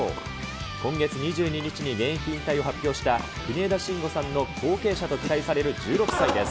今月２２日に現役引退を発表した、国枝慎吾さんの後継者と期待される１６歳です。